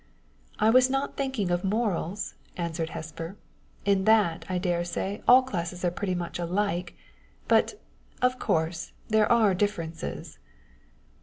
"I was not thinking of morals," answered Hesper. "In that, I dare say, all classes are pretty much alike. But, of course, there are differences."